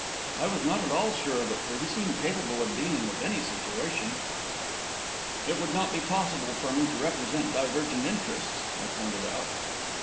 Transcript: I was not at all sure of it, for he seemed capable of dealing with any situation. "It would not be possible for me to represent divergent interests," I pointed out.